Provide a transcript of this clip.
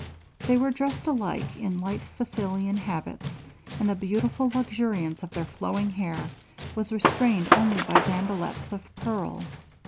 They were dressed alike in light Sicilian habits, and the beautiful luxuriance of their flowing hair was restrained only by bandellets of pearl.